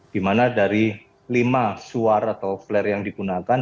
di mana dari lima suar atau flare yang digunakan